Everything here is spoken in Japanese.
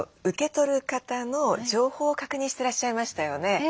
受け取る方の情報を確認してらっしゃいましたよね。